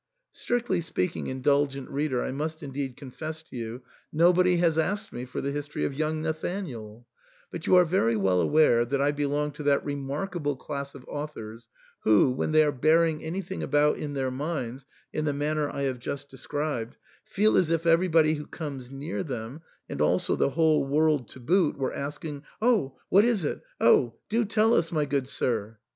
Strictly speaking, indulgent reader, I must indeed confess to you, nobody has asked me for the history of young Nathanael ; but you are very well aware that I belong to that remarkable class of authors who, when they are bearing anything about in their minds in the manner I have just described, feel as if everybody who comes near them, and also the whole world to boot, were asking, " Oh ! what is it ? Oh ! do tell us, my good sir